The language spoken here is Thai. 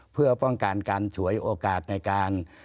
เพื่อป้องกันการฉวยโอกาสในการ